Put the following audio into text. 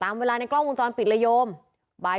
เมื่อวานแบงค์อยู่ไหนเมื่อวาน